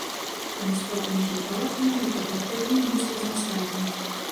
Таму склад ніжняй палаты, на мой погляд, павінен быць разнастайным.